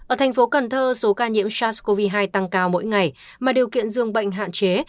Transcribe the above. ở thành phố cần thơ số ca nhiễm sars cov hai tăng cao mỗi ngày mà điều kiện dường bệnh hạn chế